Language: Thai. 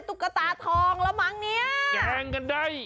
ดูกระตาทองระมังว่าเนี่ย